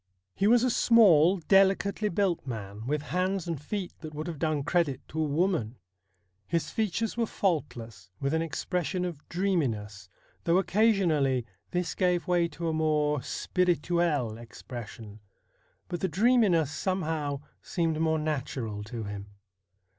He was a small, delicately built man, with hands and feet that would have done credit to a woman. His features were faultless, with an expression of dreaminess, though oc casionally this gave way to a more spirituelle expression, but the dreaminess, somehow, seemed more natural to him.